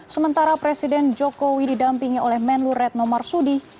sementara presiden jokowi didampingi oleh menlu retno marsudi